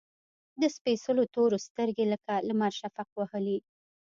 د سپیڅلو تورو، سترګې لکه لمر شفق وهلي